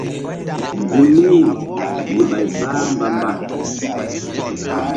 Gun wu̧yri yih bay bah mba mba.